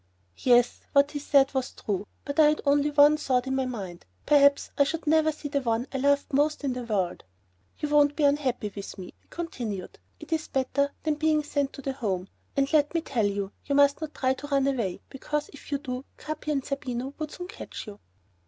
Yes, what he said was true, but I had only one thought in my mind, perhaps I should never again see the one I loved most in the world. "You won't be unhappy with me," he continued; "it is better than being sent to the Home. And let me tell you, you must not try to run away, because if you do Capi and Zerbino would soon catch you."